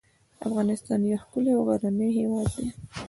افغانستان یو ښکلی او غرنی هیواد دی .